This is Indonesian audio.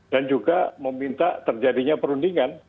dan juga meminta terjadinya perundingan